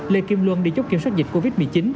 lê kim luân đi chốt kiểm soát dịch covid một mươi chín